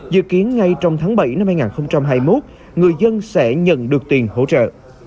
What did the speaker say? dự kiến ngay trong tháng bảy năm hai nghìn hai mươi một người dân sẽ nhận được tiền hỗ trợ